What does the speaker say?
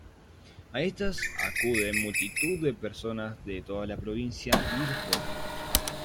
A estas acude multitud de personas de toda la provincia y de fuera.